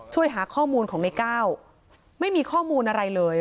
ช่วยหาข้อมูลของในก้าวไม่มีข้อมูลอะไรเลย